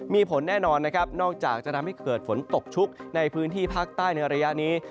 มีผลแน่นอนนะครับนอกจากจะทำให้เกิดฝนตกชุกในพื้นที่ภาคใต้ในระยะนี้